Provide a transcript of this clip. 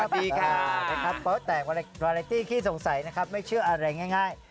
พบแต่ขวาเลนตี้ขี้สงสัยใครไม่เชื่ออะไรง่าย